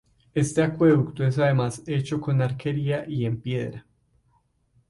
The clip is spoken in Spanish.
Este acueducto es además hecho con arquería y en piedra.